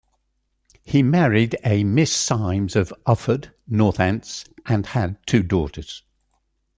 He married a Miss Symes of Ufford, Northants, and had two daughters.